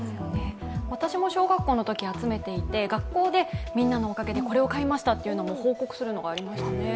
私も小学校のとき集めていて学校でみんなのおかげでこれを買いましたと報告するのがありましたね。